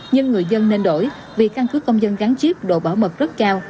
nhưng người dân nên đổi vì căn cứ công dân gắn chip độ bảo mật rất cao